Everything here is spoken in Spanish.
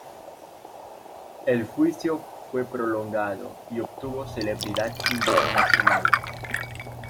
El juicio fue prolongado y obtuvo celebridad internacional.